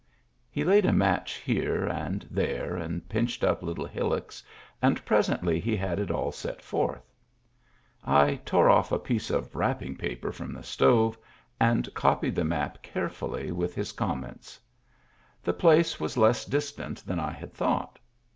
He laid a match here and there and pinched up little hillocks, and presently he had it all set forth. I tore ofiE a piece of wrapping paper from the stove and copied the map carefully, with his comments. The place was less distant than I had thought.